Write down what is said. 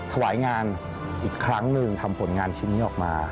ถวายงานอีกครั้งหนึ่งทำผลงานชิ้นนี้ออกมา